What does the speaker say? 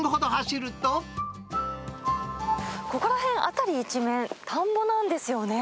ここら辺、辺り一面、田んぼなんですよね。